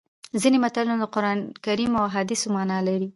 ځینې متلونه د قرانکریم او احادیثو مانا لري